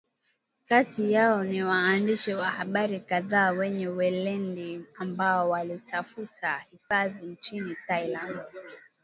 Kati yao ni waandishi wa habari kadhaa wenye weledi ambao walitafuta hifadhi nchini Thailand